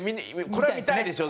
これは見たいでしょ？